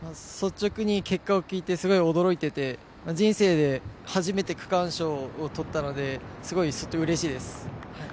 率直に結果を聞いて、すごく驚いていて人生で初めて区間賞を取ったのですごい率直にうれしいです。